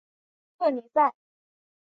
特尼塞。